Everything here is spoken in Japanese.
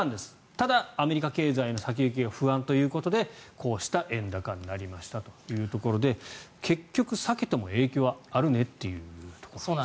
ただ、アメリカ経済の先行きが不安ということでこうした円高になりましたというところで結局避けても影響はあるねっていうところなんですね。